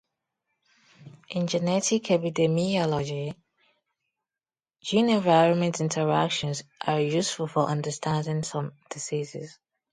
In genetic epidemiology, gene-environment interactions are useful for understanding some diseases.